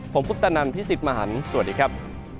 ผมพุทธนันทร์พิสิทธิ์มหาลสวัสดีครับ